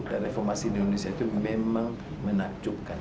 dan reformasi indonesia itu memang menakjubkan